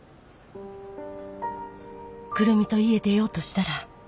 久留美と家出ようとしたら。